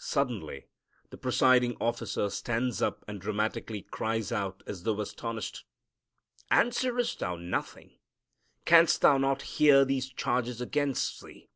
Suddenly the presiding officer stands up and dramatically cries out, as though astonished, "Answerest thou nothing? Canst thou not hear these charges against Thee?"